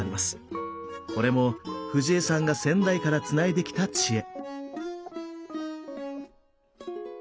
これもフジヱさんが先代からつないできた知恵。